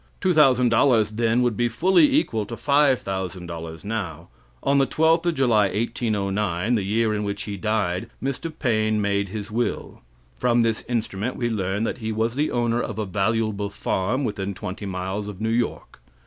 Two thousand dollars then would be fully equal to $5,000 now. On the 12th of July, 1809, the year in which he died, Mr. Paine made his will. From this instrument we learn that he was the owner of a valuable farm within twenty miles of New York.